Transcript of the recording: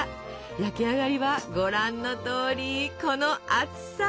焼き上がりはご覧のとおりこの厚さ。